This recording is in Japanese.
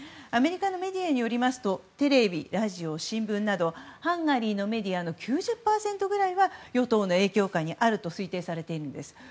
アメリカのメディアによりますとテレビ、ラジオ、新聞などハンガリーのメディアの９０％ぐらいは与党の影響下にあると推定されています。